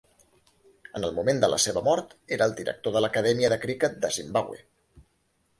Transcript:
En el moment de la seva mort, era el director de l'Acadèmia de Criquet de Zimbabwe.